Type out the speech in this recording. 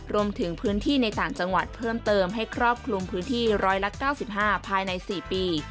รวมถึงพื้นที่ในต่างจังหวัดเพิ่มเติมให้ครอบคลุมพื้นที่๑๙๕ภายใน๔ปี